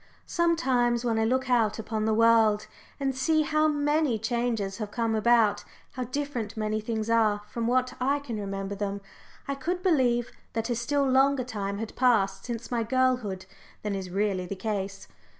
Sometimes, when I look out upon the world and see how many changes have come about, how different many things are from what I can remember them, I could believe that a still longer time had passed since my childhood than is really the case.